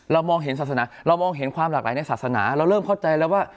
มองเห็นศาสนาเรามองเห็นความหลากหลายในศาสนาเราเริ่มเข้าใจแล้วว่า